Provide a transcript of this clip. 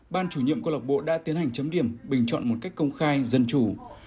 ban chủ nhiệm câu lạc bộ đã tiến hành chấm điểm bình chọn một cách công khai dân chủ